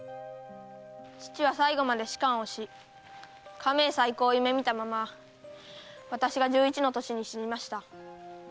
父は最後まで仕官をし家名再興を夢見たまま私が十一の歳に死にました。